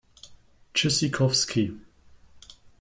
Tschüssikowski!